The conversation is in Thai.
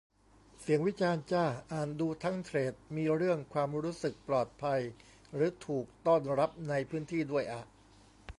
เสียงวิจารณ์จ้า อ่านดูทั้งเธรด มีเรื่องความรู้สึกปลอดภัยหรือถูกต้อนรับในพื้นที่ด้วยอะ